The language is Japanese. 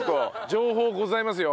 情報ございますよ。